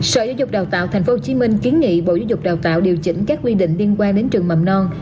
sở giáo dục đào tạo tp hcm kiến nghị bộ giáo dục đào tạo điều chỉnh các quy định liên quan đến trường mầm non